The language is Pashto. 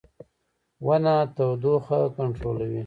• ونه تودوخه کنټرولوي.